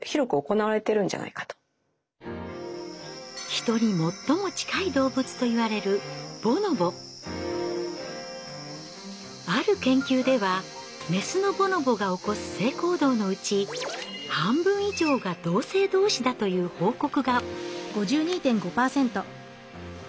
ヒトに最も近い動物といわれるある研究ではメスのボノボが起こす性行動のうち半分以上が同性同士だという報告が。